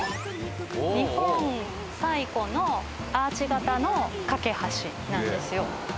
日本最古のアーチ形の架け橋なんですよ。